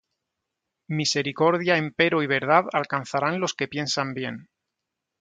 Misericordia empero y verdad alcanzarán los que piensan bien.